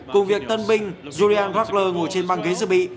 cùng việc tân binh julian wackler ngồi trên băng ghế giữ bị